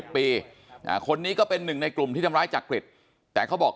ปีคนนี้ก็เป็นหนึ่งในกลุ่มที่ทำร้ายจักริตแต่เขาบอก